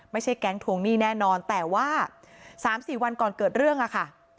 แก๊งทวงหนี้แน่นอนแต่ว่า๓๔วันก่อนเกิดเรื่องอะค่ะ